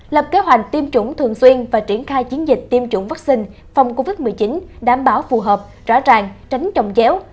lập kế hoạch tiêm chủng thường xuyên và triển khai chiến dịch tiêm chủng vắc xin phòng covid một mươi chín đảm bảo phù hợp rõ ràng tránh trọng déo